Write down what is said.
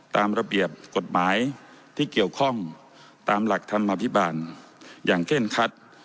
ตามระเบียบกฎหมายที่เกี่ยวข้องตามหลักธรรมอภิบาลอย่างเคร่งคัด